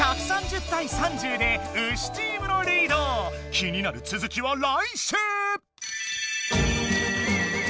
気になるつづきは来週！